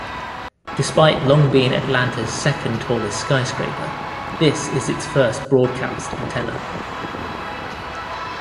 Despite long being Atlanta's second-tallest skyscraper, this is its first broadcast antenna.